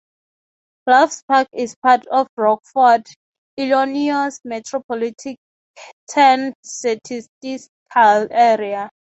Loves Park is part of the Rockford, Illinois Metropolitan Statistical Area.